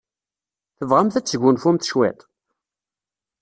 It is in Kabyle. Tebɣamt ad tesgunfumt cwiṭ?